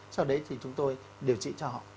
sau đấy thì chúng tôi điều trị cho họ